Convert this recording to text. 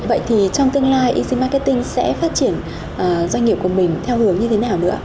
vậy thì trong tương lai easy marketing sẽ phát triển doanh nghiệp của mình theo hướng như thế nào nữa